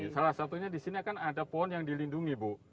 salah satunya di sini kan ada pohon yang dilindungi bu